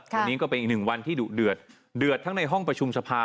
วันนี้ก็เป็นอีกหนึ่งวันที่ดุเดือดเดือดทั้งในห้องประชุมสภา